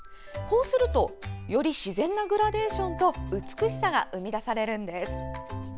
こうするとより自然なグラデーションと美しさが生み出されるんです。